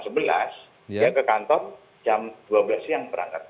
dia ke kantor jam dua belas siang berangkat